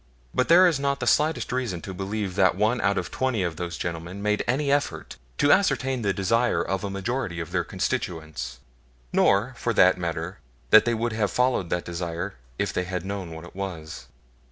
But there is not the slightest reason to believe that one out of twenty of those gentlemen made any effort to ascertain the desire of a majority of their constituents; nor, for that matter, that they would have followed that desire if they had known what it was.